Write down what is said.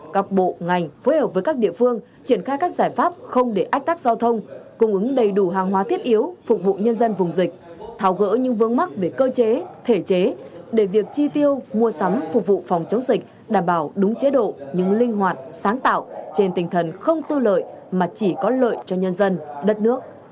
các bộ ngành phối hợp với các địa phương triển khai các giải pháp không để ách tắc giao thông cung ứng đầy đủ hàng hóa thiết yếu phục vụ nhân dân vùng dịch thảo gỡ những vương mắc về cơ chế thể chế để việc chi tiêu mua sắm phục vụ phòng chống dịch đảm bảo đúng chế độ những linh hoạt sáng tạo trên tinh thần không tư lợi mà chỉ có lợi cho nhân dân đất nước